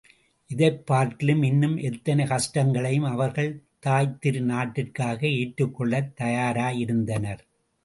இதைப்பார்க்கிலும் இன்னும் எத்தனைகஷ்டங்களையும் அவர்கள் தாய்த்திரு நாட்டிற்காக ஏற்றுக் கொள்ளத் தயாராயிருந்தனர்.